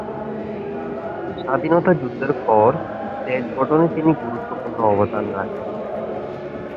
স্বাধীনতা যুদ্ধের পর দেশ গঠনে তিনি গুরুত্বপূর্ণ অবদান রাখেন।